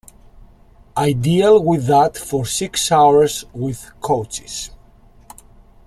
I deal with that for six hours with coaches.